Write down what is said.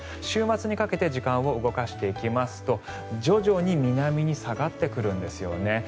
週末にかけて時間を動かしていきますと徐々に南に下がってくるんですよね。